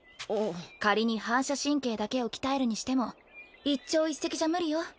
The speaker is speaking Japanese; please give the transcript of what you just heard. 仮に反射神経だけを鍛えるにしても一朝一夕じゃ無理よ。